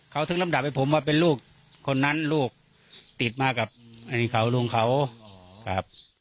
เขาถึงลำดับให้ผมว่าเป็นลูกคนนั้นลูกติดมากับลูกเขา